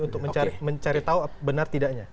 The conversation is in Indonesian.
untuk mencari tahu benar tidaknya